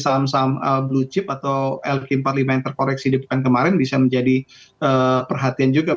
saham saham blue chip atau lk empat puluh lima yang terkoreksi di pekan kemarin bisa menjadi perhatian juga